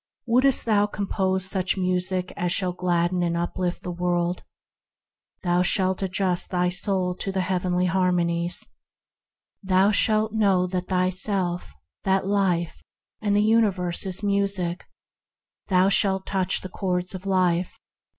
Wouldst thou compose such music as shall gladden and uplift the world ? Thou shalt adjust thy soul to the Heavenly Har monies within. Thou shalt know that thy self, that life and the universe are Music. Thou shalt touch the chords of Life.